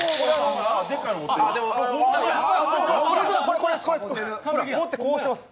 これです、持ってこうしてます。